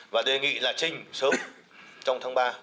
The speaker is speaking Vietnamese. và đề nghị là trình sớm trong tháng ba